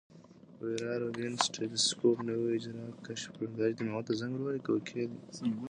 ویرا روبین ټیلسکوپ نوي اجرام کشف کړل.